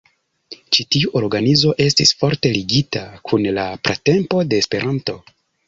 Ĉi tiu organizo estis forte ligita kun la pratempo de Esperanto.